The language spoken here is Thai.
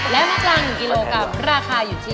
และมะปราง๑กิโลกรัมราคาอยู่ที่